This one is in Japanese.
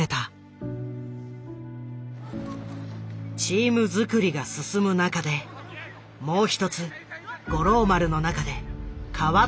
チームづくりが進む中でもう一つ五郎丸の中で変わったことがある。